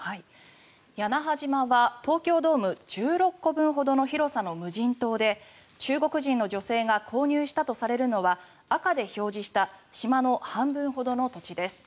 屋那覇島は東京ドーム１６個分ほどの広さの無人島で中国人の女性が購入したとされるのは赤で表示した島の半分ほどの土地です。